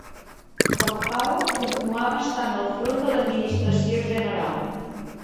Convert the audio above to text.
Com a pare, continuava estant al front de l'administració general